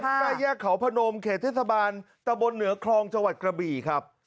หน้าแยกเขาพนมเขตเทศบาลตะบนเหนือคลองจังหวัดกระบี่ครับ